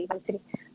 dan lebih efisien juga